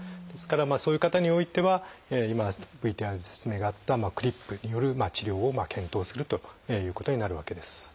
ですからそういう方においては今ＶＴＲで説明があったクリップによる治療を検討するということになるわけです。